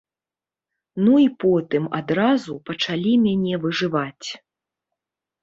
Ну і потым адразу пачалі мяне выжываць.